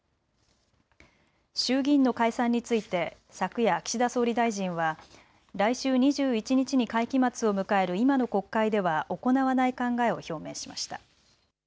衆議院の解散について昨夜、岸田総理大臣は来週２１日に会期末を迎える今の国会では行わない考えを表明しました。